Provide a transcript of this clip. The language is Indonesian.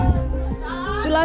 itu yang harus kita tahu